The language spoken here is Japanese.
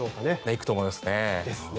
行くと思いますね。